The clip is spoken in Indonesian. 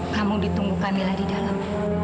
kamu ditunggu kamilah di dalam